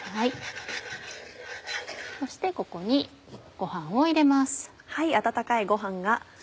そしてここにご飯を入れます。